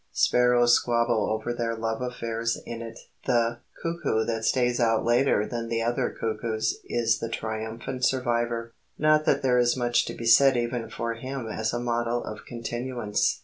Sparrows squabble over their love affairs in it. The, cuckoo that stays out later than the other cuckoos is the triumphant survivor. Not that there is much to be said even for him as a model of continuance.